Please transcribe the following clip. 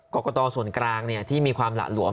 กรกตส่วนกลางที่มีความหละหลวม